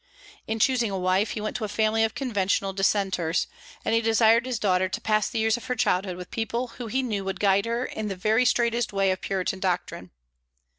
In choosing a wife, he went to a family of conventional Dissenters; and he desired his daughter to pass the years of her childhood with people who he knew would guide her in the very straitest way of Puritan doctrine.